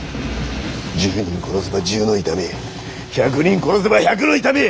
１０人殺せば１０の痛み１００人殺せば１００の痛み。